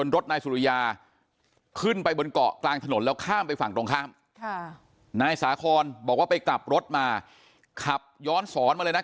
นายสุริยาขึ้นไปบนเกาะกลางถนนแล้วข้ามไปฝั่งตรงข้ามนายสาคอนบอกว่าไปกลับรถมาขับย้อนสอนมาเลยนะ